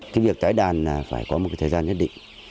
cái việc tái đàn là phải có một cái thời gian nhất định